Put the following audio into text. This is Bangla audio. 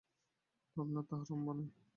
ভাবনার তাহার অম্ভ নাই।